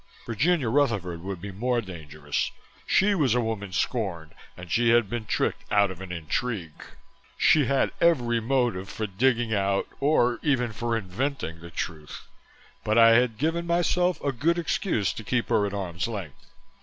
Virginia Rutherford would be more dangerous she was a woman scorned and she had been tricked out of an intrigue. She had every motive for digging out or even for inventing the truth, but I had given myself a good excuse to keep her at arm's length.